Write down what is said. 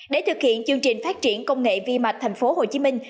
để thực hiện chương trình phát triển công nghệ vi mạch thành phố hồ chí minh